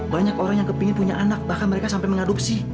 banyak orang yang kepingin punya anak bahkan mereka sampai mengadopsi